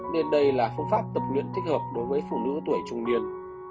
nên đây là phương pháp tập luyện thích hợp đối với phụ nữ tuổi trung niên